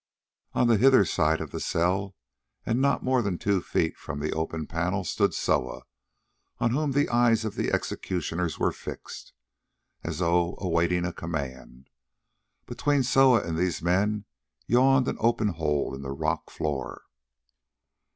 On the hither side of the cell, and not more than two feet from the open panel, stood Soa, on whom the eyes of the executioners were fixed, as though awaiting a command. Between Soa and these men yawned an open hole in the rock floor.